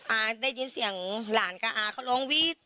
อาได้ยินเสียงหลานกับอาเขาร้องวีด